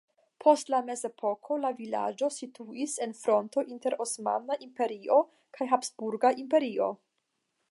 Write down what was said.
Post la mezepoko la vilaĝo situis en fronto inter Osmana Imperio kaj Habsburga Imperio.